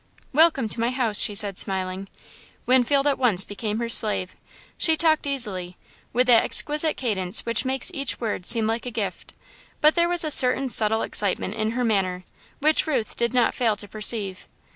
"Welcome to my house," she said, smiling, Winfield at once became her slave. She talked easily, with that exquisite cadence which makes each word seem like a gift, but there was a certain subtle excitement in her manner, which Ruth did not fail to perceive.